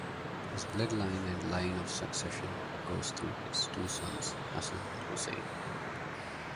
His bloodline and line of succession goes through his two sons Hasan and Hussein.